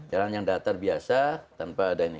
jalan yang datar biasa tanpa ada ini